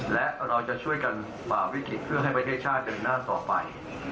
และเราจะช่วยกันฝ่าวิกฤตเพื่อให้ประเทศชาติเดินหน้าต่อไป